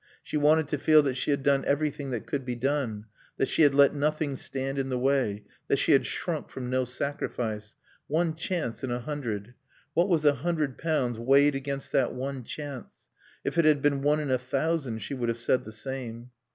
She wanted to feel that she had done everything that could be done, that she had let nothing stand in the way, that she had shrunk from no sacrifice. One chance in a hundred. What was a hundred pounds weighed against that one chance? If it had been one in a thousand she would have said the same.